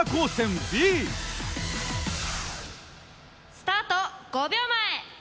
スタート５秒前！